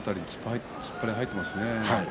顔の辺りに突っ張りが入っていますね。